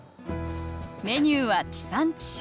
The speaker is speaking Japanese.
メニューは地産地消。